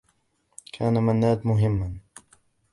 كان منّاد مهمّا.